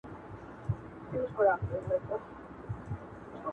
هايبريډ ارزښت ويل کېږي